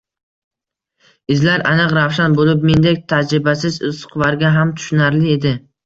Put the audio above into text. Izlar aniq-ravshan bo`lib, mendek tajribasiz izquvarga ham tushunarli edi